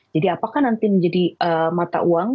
jadi apakah nanti menjadi mata uang